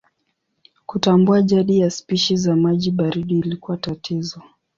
Kutambua jadi ya spishi za maji baridi ilikuwa tatizo.